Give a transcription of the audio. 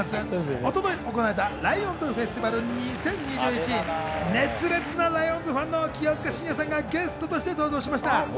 一昨日行われた、ライオンズフェスティバルズ２０２１の熱烈なライオンズファンの清塚信也さんがゲストとして登場しました。